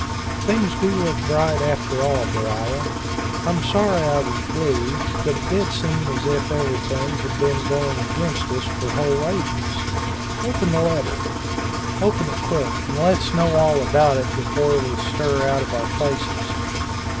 "Things do look bright, after all, Beriah. I'm sorry I was blue, but it did seem as if everything had been going against us for whole ages. Open the letter open it quick, and let's know all about it before we stir out of our places.